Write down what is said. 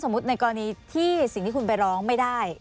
ในกรณีที่สิ่งที่คุณไปร้องไม่ได้